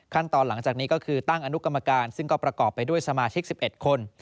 ตอนหลังจากนี้ก็คือตั้งอนุกรรมการซึ่งก็ประกอบไปด้วยสมาชิก๑๑คน